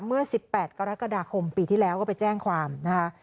เมื่อ๑๘กรกฎาคมปีที่แล้วก็ไปแจ้งความนะคะ